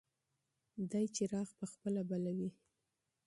دی څراغ په خپله بلوي.